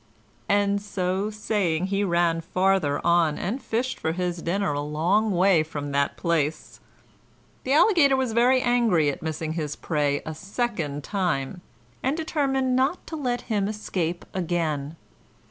And so saying, he ran farther on and fished for his dinner a long way from that place. The Alligator was very angry at missing his prey a second time, and determined not to let him escape again.